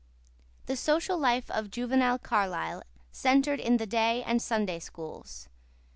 The social life of juvenile Carlisle centred in the day and Sunday Schools.